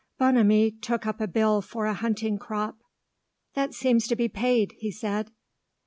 Bonamy took up a bill for a hunting crop. "That seems to be paid," he said.